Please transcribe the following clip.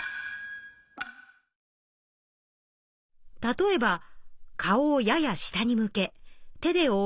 例えば顔をやや下に向け手でおおう